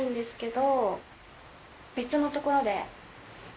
「別のところで」？